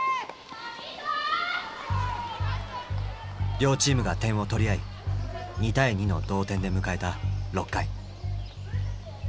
両チームが点を取り合い２対２の同点で迎えた６回。